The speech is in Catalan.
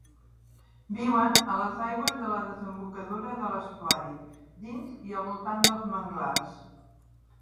Viuen a les aigües de la desembocadura de l'estuari, dins i al voltant dels manglars.